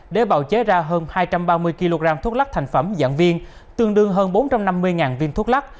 để bào chế ra hơn hai trăm ba mươi kg thuốc lắc thành phẩm dạng viên tương đương hơn bốn trăm năm mươi viên thuốc lắc